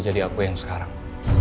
jadi aku yang sekarang